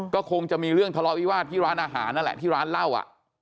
ก็คงจะมีเรื่องทะเลาะวิวาสที่ร้านอาหารนั่นแหละที่ร้านเหล้าอ่ะ